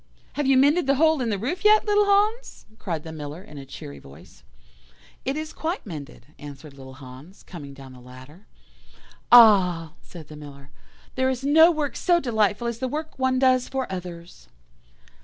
"'Have you mended the hole in the roof yet, little Hans?' cried the Miller in a cheery voice. "'It is quite mended,' answered little Hans, coming down the ladder. "'Ah!' said the Miller, 'there is no work so delightful as the work one does for others.